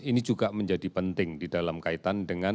ini juga menjadi penting di dalam kaitan dengan